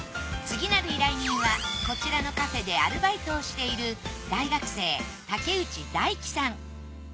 次なる依頼人はこちらのカフェでアルバイトをしている大学生竹内大樹さん。